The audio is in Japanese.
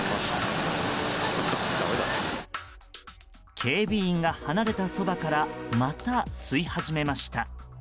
警備員が離れたそばからまた吸い始めました。